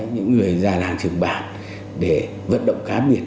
những người già làng trưởng bản để vận động cá biệt